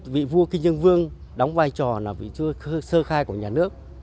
vị vua kinh dương vương đóng vai trò là vị chua sơ khai của nhà nước